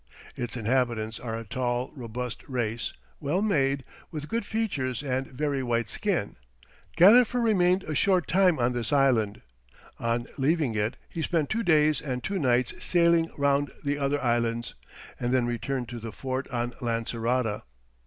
Its inhabitants are a tall, robust race, well made, with good features and very white skin. Gadifer remained a short time on this island; on leaving it he spent two days and two nights sailing round the other islands, and then returned to the fort on Lancerota.